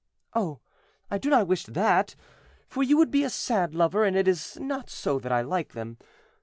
"Oh! I do not wish that, for you would be a sad lover, and it is not so that I like them.